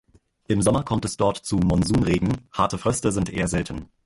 Im Sommer kommt es dort zu Monsunregen, harte Fröste sind eher selten.